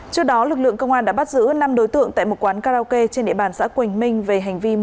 trước đó lực lượng công an đã bắt giữ năm đối tượng tại một quán karaoke trên địa bàn xã quỳnh